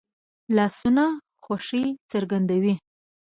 لاسونه خوښي څرګندوي